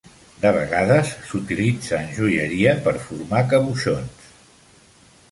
De vegades s'utilitza en joieria per formar caboixons.